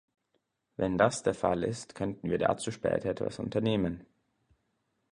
Wenn das der Fall ist, könnten wir dazu später etwas unternehmen.